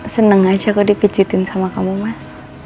seneng aja aku dipijetin sama kamu mas